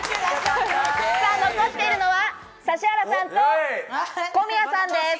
残っているのは指原さんと小宮さんです。